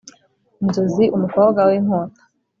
inzozi umukobwa winkota,